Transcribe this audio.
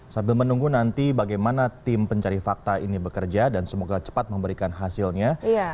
sambil menunggu nanti bagaimana tim pencari fakta ini bekerja dan semoga cepat memberikan hasilnya